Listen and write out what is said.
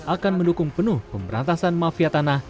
akan mendukung penuh pemberantasan mafia tanah